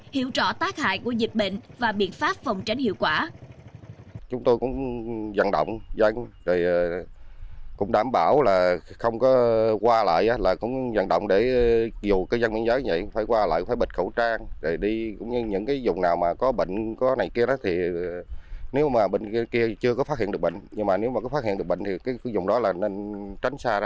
hiểu rõ tác hại của dịch bệnh và biện pháp phòng tránh hiệu quả